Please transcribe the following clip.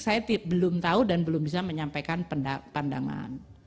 saya belum tahu dan belum bisa menyampaikan pandangan